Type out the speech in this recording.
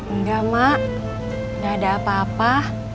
enggak mak gak ada apa apa